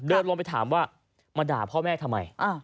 เดินลงไปถามว่ามาด่าพ่อแม่ทำไม